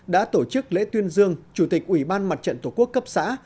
đã tổ chức lễ tuyên dương chủ tịch ủy ban mặt trận tổ quốc cấp xã